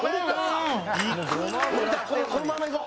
このまんまいこう！